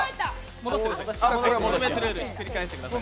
戻してください。